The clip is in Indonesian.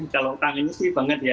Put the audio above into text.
kalau kangennya sih banget ya